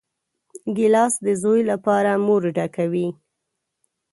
ګیلاس د زوی لپاره مور ډکوي.